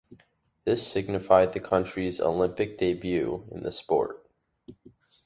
This signified the country’s Olympic debut in the sport.